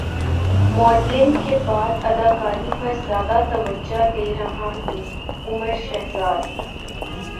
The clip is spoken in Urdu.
ماڈلنگ کے بعد اداکاری پر زیادہ توجہ دے رہا ہوں عمر شہزاد